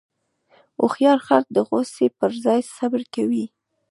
هوښیار خلک د غوسې پر ځای صبر کوي.